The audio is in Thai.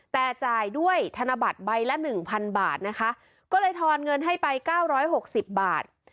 แต่จ่ายด้วยธนบัตรใบละหนึ่งพันบาทนะคะก็เลยทอนเงินให้ไปเก้าร้อยหกสิบบาท